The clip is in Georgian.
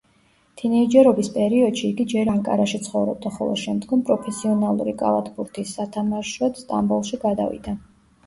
თინეიჯერობის პერიოდში იგი ჯერ ანკარაში ცხოვრობდა, ხოლო შემდგომ, პროფესიონალური კალათბურთის სათამაშოდ სტამბოლში გადავიდა.